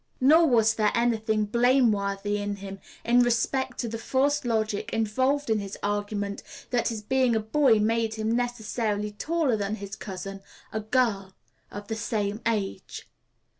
Nor was there any thing blameworthy in him in respect to the false logic involved in his argument, that his being a boy made him necessarily taller than his cousin, a girl of the same age.